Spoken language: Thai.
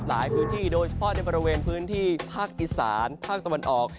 หลายพื้นที่โดยเฉพาะในบริเวณพื้นที่ภาคอีสานภาคตะวันออก